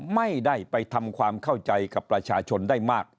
ไม่ได้ไปทำความเข้าใจกับประชาชนได้มาก